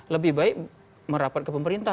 lebih baik merapat ke pemerintah